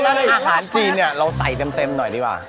ถ้าหากผ่านจีนเนี่ยเราใส่เต็มหน่อยดีกว่า